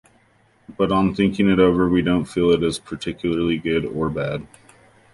But on thinking it over, we don't feel it is particularly good or bad.